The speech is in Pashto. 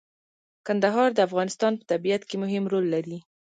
کندهار د افغانستان په طبیعت کې مهم رول لري.